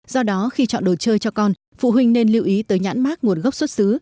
do đó khi chọn đồ chơi cho con phụ huynh nên lưu ý tới nhãn mát nguồn gốc xuất xứ